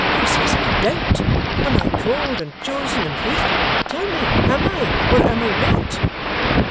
Who says I doubt? Am I called, and chosen, and faithful? Tell me. Am I, or am I not?